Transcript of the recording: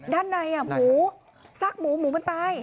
ด้านในหมูซากหมูหมูมันตาย